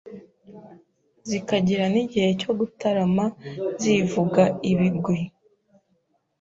zikagira n’igihe cyo gutarama zivuga ibigwi.